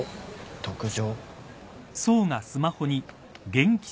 特上。